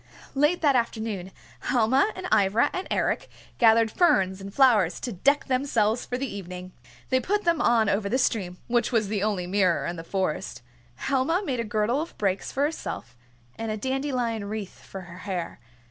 Late that afternoon Helma and Ivra and Eric gathered ferns and flowers to deck themselves for the evening. They put them on over the stream, which was the only mirror in the Forest. Helma made a girdle of brakes for herself, and a dandelion wreath for her hair.